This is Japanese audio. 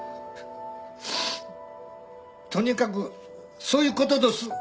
とにかくそういうことどす。